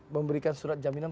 memberikan surat jaminan